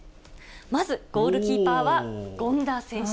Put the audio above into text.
まず、ゴールキーパーは権田選手。